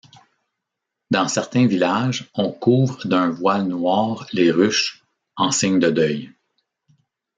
Dans certains villages, on couvre d'un voile noir les ruches en signe de deuil.